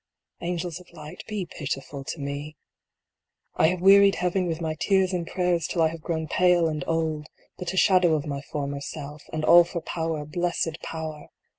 "Angels of light, be pitiful to me." 1 have wearied Heaven with my tears and prayers till I have grown pale and old, but a shadow of my former self, and all for power, blessed power